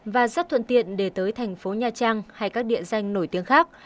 và rất thuận tiện để tới thành phố nha trang hay các địa danh nổi tiếng khác